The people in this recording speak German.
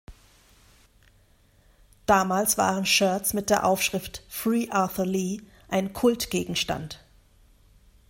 Damals waren Shirts mit der Aufschrift „Free Arthur Lee“ ein Kultgegenstand.